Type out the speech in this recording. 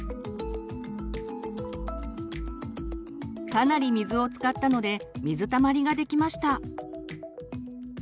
かなり水を使ったので水たまりができました。